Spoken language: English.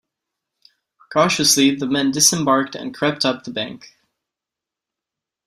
Cautiously the men disembarked and crept up the bank.